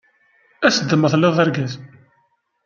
As-d ma telliḍ d argaz.